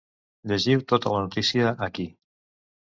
Llegiu tota la notícia aquí.